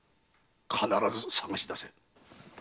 必ず探し出せ。